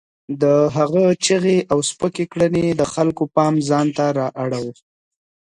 د هغه چیغې او سپکې کړنې د خلکو پام ځان ته رااړاوه.